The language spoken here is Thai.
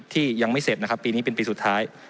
ที่ยังไม่เสร็จนะครับปีนี้เป็นปีสุดท้าย